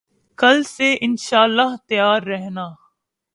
کل سے ان شاءاللہ تیار رہنا